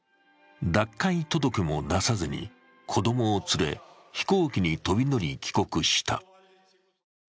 脱会届も出さずに子供を連れ、飛行機に飛び乗り、帰国した。